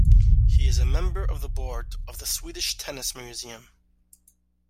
He is a member of the board of the Swedish Tennis Museum.